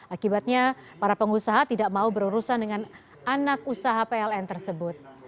akibatnya para pengusaha tidak mau berurusan dengan anak usaha pln tersebut